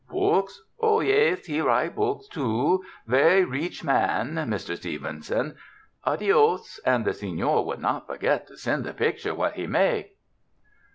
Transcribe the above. Books? Oh, yais, he write books, too — ver' reech man, Mr. Stevenson. Adios, and the seiior would not forget to send the picture what he make?